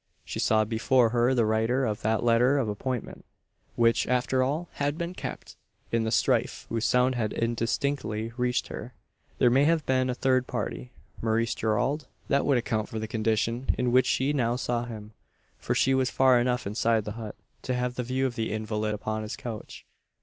She saw before her the writer of that letter of appointment which, after all, had been kept. In the strife, whose sounds had indistinctly reached her, there may have been a third party Maurice Gerald? That would account for the condition in which she now saw him; for she was far enough inside the hut to have a view of the invalid upon his couch.